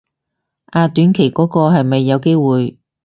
啊短期嗰個係咪有機會